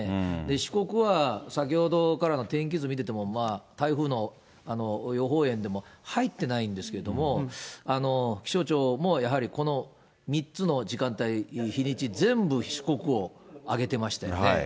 四国は先ほどからの天気図見てても、まあ、台風の予報円でも入っていないんですけれども、気象庁もやはりこの３つの時間帯、日にち、全部、四国を挙げていましたよね。